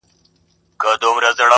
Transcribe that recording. لاره ورکه سوه له سپي او له څښتنه،